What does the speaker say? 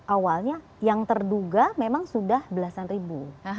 awalnya yang terduga memang sudah belasan ribu